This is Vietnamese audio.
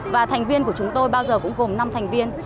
và thành viên của chúng tôi bao giờ cũng gồm năm thành viên